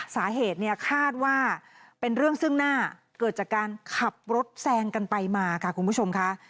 สาเหตุเนี่ยคาดว่าเป็นเรื่องซึ่งหน้าเกิดจากการขับรถแซงกันไปมาค่ะคุณผู้ชมค่ะ